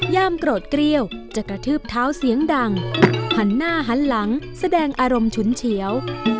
โกรธเกลี้ยวจะกระทืบเท้าเสียงดังหันหน้าหันหลังแสดงอารมณ์ฉุนเฉียว